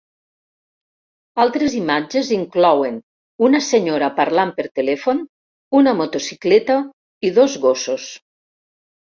Altres imatges inclouen una senyora parlant per telèfon, una motocicleta i dos gossos.